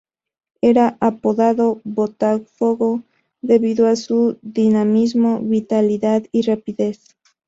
Era apodado "Botafogo", debido a su dinamismo, vitalidad y rapidez.